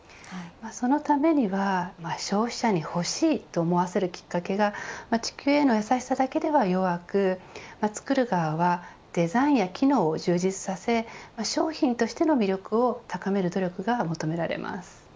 そのためには消費者に欲しいと思わせるきっかけが地球への優しさだけでは弱く作る側はデザインや機能を充実させ商品としての魅力を高める努力が求められます。